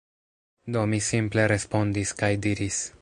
Do, mi simple respondis kaj diris